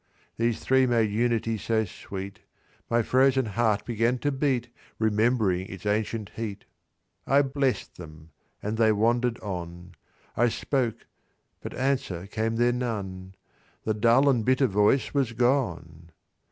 These three made unity so sweet, My frozen heart began to beat, Remembering its ancient heat. I blest them, and they wander'd on: I spoke, but answer came there none: The dull and bitter voice was gone.